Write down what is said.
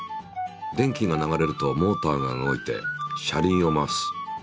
電気が流れるとモーターが動いて車輪を回す。